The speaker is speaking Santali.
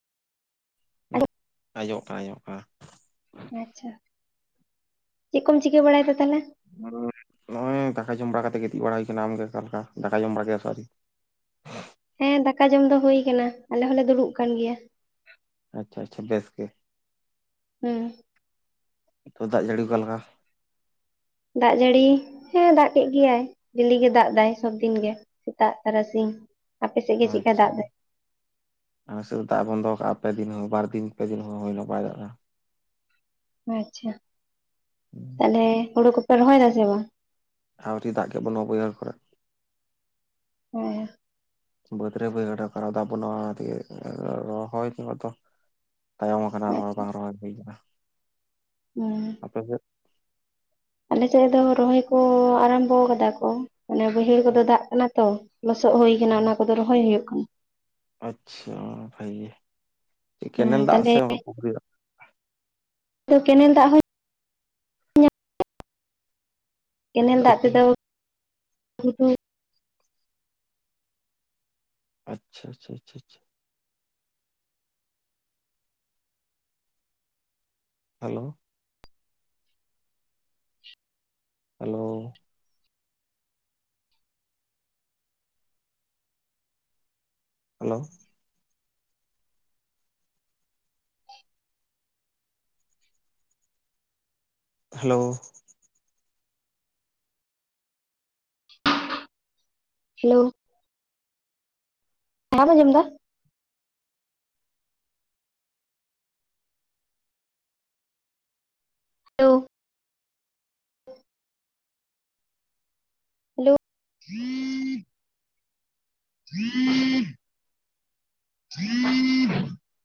[inaudible] ᱟᱸᱡᱚᱢᱚᱜ ᱠᱟᱱᱟ ᱟᱸᱡᱚᱢᱚᱜ ᱠᱟᱱᱟ᱾ ᱟᱪᱪᱷᱟ, ᱪᱮᱫ ᱠᱚᱢ ᱪᱤᱠᱟᱹ ᱵᱟᱲᱟᱭᱮᱫᱟ ᱛᱟᱦᱚᱞᱮ? [unintelligible] ᱱᱚᱜᱚᱭ, ᱫᱟᱠᱟ ᱡᱚᱢ ᱵᱟᱲᱟ ᱠᱟᱛᱮ, ᱜᱤᱛᱤᱡ ᱵᱟᱲᱟ ᱦᱩᱭ ᱟᱠᱟᱱᱟ ᱾ ᱟᱢᱜᱮ ᱚᱠᱟ ᱞᱮᱠᱟ? ᱫᱟᱠᱟ ᱡᱚᱢ ᱵᱟᱲᱟ ᱠᱮ-ᱟ ᱥᱮ, ᱟᱹᱣᱨᱤ? ᱦᱮᱸᱻ, ᱫᱟᱠᱟ ᱡᱚᱢ ᱫᱚ, ᱦᱩᱭ ᱟᱠᱟᱱᱟ ᱾ ᱟᱞᱮ ᱦᱚᱸ ᱞᱮ, ᱫᱩᱲᱩᱵ ᱟᱠᱟᱱ ᱜᱮᱭᱟ ᱾ ᱟᱪᱪᱷᱟ ᱟᱪᱪᱷᱟ, ᱵᱮᱥ ᱜᱮ ᱾ ᱦᱮᱸᱻ᱾ ᱱᱤᱛᱚ, ᱫᱟᱜ ᱡᱟᱹᱲᱤ ᱚᱠᱟ ᱞᱮᱠᱟ? ᱫᱟᱜ ᱡᱟᱹᱲᱤ, ᱦᱮᱸᱼ ᱫᱟᱜ ᱠᱮᱫ ᱜᱮᱭᱟᱭ, ᱰᱤᱞᱤᱜ ᱜᱮ, ᱫᱟᱜ ᱮᱫᱟᱭ, ᱥᱚᱵᱫᱤᱱ ᱜᱮ ᱾ ᱥᱮᱛᱟᱜ, ᱛᱟᱨᱟᱥᱤᱧ ᱟᱯᱮ ᱥᱮᱫ ᱜᱮ ᱪᱮᱫᱠᱟ ᱟᱪᱪᱷᱟ ᱫᱟᱜ ᱾ ᱫᱟᱭ ᱟᱞᱮ ᱥᱮᱫ ᱫᱟᱜᱼᱮ ᱵᱚᱱᱫᱚ ᱟᱠᱟᱜᱼᱟ, ᱛᱮ, ᱫᱤᱱᱟᱹᱢ ᱵᱟᱨ ᱫᱤᱱ, ᱯᱮ ᱫᱤᱱ ᱦᱩᱭ ᱮᱱᱟ, ᱵᱟᱭ ᱫᱟᱜ ᱮᱫᱟ ᱾ ᱟᱪᱪᱷᱟ! ᱛᱟᱦᱞᱮ, ᱦᱩᱲᱩ ᱠᱚᱯᱮ, ᱨᱚᱦᱚᱭ ᱮᱫᱟ ᱥᱮ ᱵᱟᱝ? ᱟᱹᱣᱨᱤ, ᱫᱟᱜ ᱜᱮ ᱵᱟᱹᱱᱩᱜᱼᱟ, ᱵᱟ. ᱭᱦᱟᱹᱲ ᱠᱚᱨᱮ ᱾ ᱦᱮᱸᱻ ᱾ ᱵᱟᱹᱫᱽ ᱨᱮ, ᱵᱟᱹᱭᱦᱟᱹᱲ ᱨᱮ, ᱚᱠᱟ ᱨᱮᱦᱚᱸ ᱫᱟᱜ ᱵᱟᱱᱩᱜ-ᱟ, ᱚᱱᱟ ᱫᱤᱭᱮ ᱨᱚᱼᱦᱚᱭ ᱠᱚ ᱫᱚ ᱛᱟᱭᱚᱢ ᱟᱠᱟᱱᱟ, ᱨᱚᱦᱚᱭ ᱵᱟᱝ ᱨᱚᱦᱚᱭ ᱦᱩᱭ ᱟᱠᱟᱱᱼᱟ ᱾ ᱦᱩᱸᱭ ᱾ ᱛᱟᱹᱜᱟᱹᱫ ᱟᱞᱮᱥᱮᱫ ᱫᱚ, ᱨᱚᱦᱚᱭ ᱠᱚ, ᱟᱨᱟᱢᱵᱚ ᱟᱠᱟᱫᱟ ᱠᱚ, ᱢᱟᱱᱮ, ᱵᱟᱹᱭᱦᱟᱹᱲ ᱠᱚᱫᱚ, ᱫᱟᱜ ᱟᱠᱟᱱᱟ ᱛᱚ ᱾ ᱞᱚᱥᱚᱜ ᱦᱳᱭ ᱟᱠᱟᱱᱟ, ᱚᱱᱟ ᱠᱚᱫᱚ, ᱨᱚᱦᱚᱭ ᱦᱩᱭᱩᱜ ᱟᱠᱟᱱᱟ ᱾ ᱟᱪᱪᱷᱟ! ᱵᱷᱟᱭᱮ ᱦᱮᱸᱻ ᱛᱟᱦᱞᱮ, ᱫᱟᱜ ᱛᱚ, ᱠᱮᱱᱮᱞ ᱫᱟᱜ ᱦᱚᱸᱭ, ᱧᱟᱢ [unintelligible] ᱠᱮᱱᱮᱞ ᱫᱟᱜ ᱟᱪᱪᱷᱟ ᱛᱮᱫᱚ, [unintelligible] ᱟᱪᱪᱷᱟ, ᱪᱷᱟ ᱟᱪᱷᱟ ᱟᱪᱷᱟ ᱾ Hello hello hello. ᱰᱷᱮᱼᱡ ᱾ ᱦᱟᱞᱳᱣ ᱾ [unintelligible] ᱦᱟᱞᱳᱣ ᱾ ᱵᱟᱢ ᱟᱸᱡᱚᱢ ᱮᱫᱟ? ᱦᱮᱞᱳᱣ ᱾ ᱦᱮᱞᱳᱜ [unintelligible] [unintelligible]